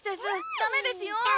ダメですよ！